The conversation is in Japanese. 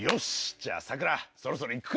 じゃあさくらそろそろ行くか。